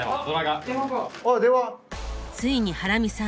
ついにハラミさん